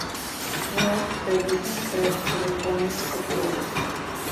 Неущ, пчэдыжьым, сэ телефоным сыкъытеощт.